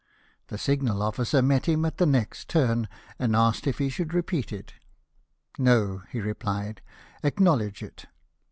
The signal officer met him at the next turn, and asked if he should repeat it. " No," he replied ;" acknowledge it."